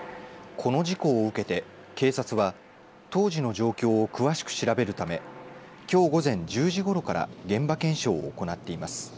この事故を受けて、警察は当時の状況を詳しく調べるためきょう午前１０時ごろから現場検証を行っています。